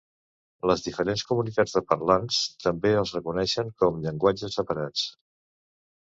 Les diferents comunitats de parlants també els reconeixen com llenguatges separats.